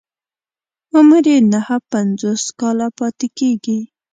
عمر يې نهه پنځوس کاله پاتې کېږي.